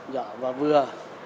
nhỏ và vừa